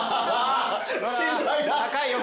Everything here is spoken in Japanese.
高いよ